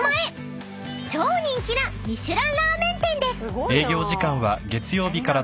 ［超人気なミシュランラーメン店です］